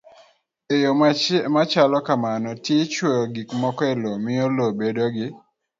E yo machalo kamano, tij chwoyo gik moko e lowo miyo lowo bedo gi